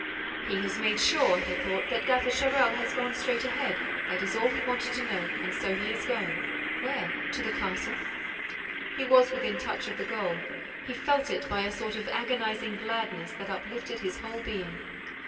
"He has made sure," he thought, "that Gaffer Charel has gone straight ahead. That is all he wanted to know and so he is going—where? To the castle?" He was within touch of the goal. He felt it by a sort of agonizing gladness that uplifted his whole being.